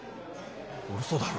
うそだろ。